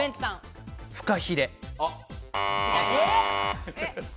フカヒレ。